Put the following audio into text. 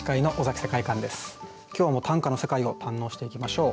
今日も短歌の世界を堪能していきましょう。